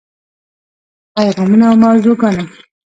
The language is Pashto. پیغامونه او موضوعګانې: